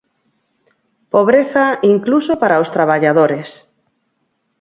Pobreza incluso para os traballadores.